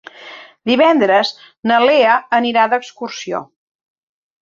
Divendres na Lea anirà d'excursió.